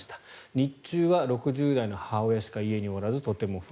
日中は６０代の母親しか家におらずとても不安。